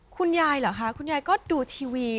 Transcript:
คุณยายเหรอค่ะคุณยายก็ดูทีวี